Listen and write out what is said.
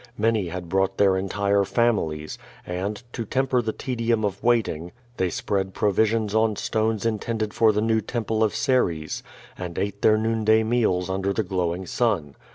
Many had brought their entire families, and, to temper the tedium of waiting, they spread provisions on stones intended for tho new temple of Ceres, and ate their noonday meals under the glowing sun.